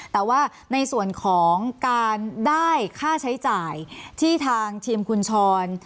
แต่ว่าในส่วนของการได้ค่าใช้จ่ายที่ทางทีมคุณชร